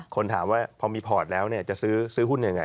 คนถามว่าพอมีพอร์ตแล้วจะซื้อหุ้นยังไง